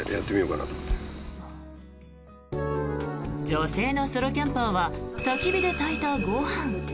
女性のソロキャンパーはたき火で炊いたご飯。